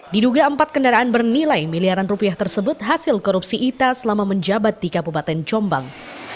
diduga empat kendaraan bernilai miliaran rupiah tersebut hasil korupsi ita selama menjabat di kabupaten jombang